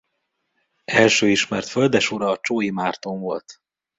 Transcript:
Első ismert földesura Csói Márton volt.